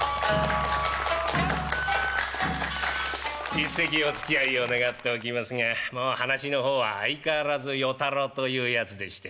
一席おつきあいを願っておきますがもう噺の方は相変わらず与太郎というやつでして。